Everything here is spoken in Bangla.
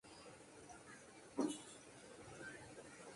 আমি কোন বই অর্ডার করিনি।